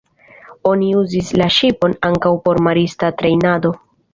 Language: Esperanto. Oni uzis la ŝipon ankaŭ por marista trejnado.